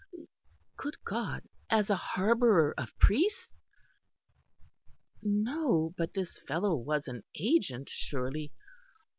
Good God, as a harbourer of priests? No, but this fellow was an agent, surely.